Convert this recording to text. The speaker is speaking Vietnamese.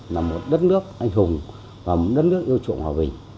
là một đất nước anh hùng và một đất nước yêu trụng hòa bình